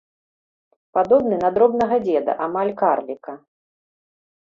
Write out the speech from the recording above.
Падобны на дробнага дзеда, амаль карліка.